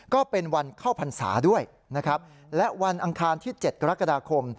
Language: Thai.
ก็เป็นวันเข้าพรรษาด้วยนะครับและวันอังคารที่๗กรกฎาคม